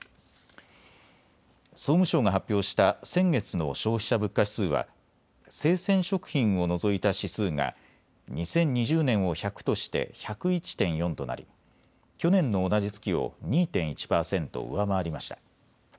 総務省が発表した先月の消費者物価指数は生鮮食品を除いた指数が２０２０年を１００として１０１．４となり去年の同じ月を２．１％上回りました。